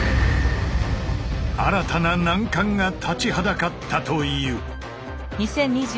新たな難関が立ちはだかったという。